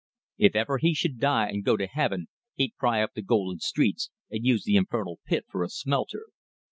If ever he should die an' go to Heaven he'd pry up th' golden streets an' use the infernal pit for a smelter."